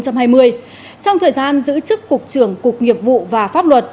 trong thời gian giữ chức cục trưởng cục nghiệp vụ và pháp luật